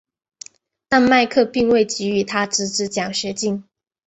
但麦克并未给予他侄子奖学金。